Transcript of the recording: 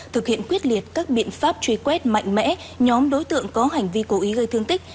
thực hiện quyết liệt các biện pháp truy quét mạnh mẽ nhóm đối tượng có hành vi cố ý gây thương tích